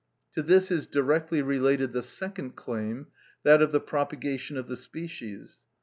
To this is directly related the second claim, that of the propagation of the species.